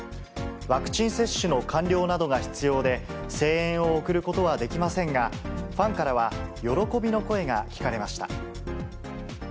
ワクチン接種の完了などが必要で、声援を送ることはできませんが、ファンからは喜びの声が聞かれました。